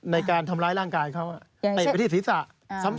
ในการทำร้ายร่างกายเขาเตะไปที่ศีรษะซ้ำ